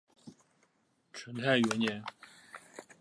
成泰元年。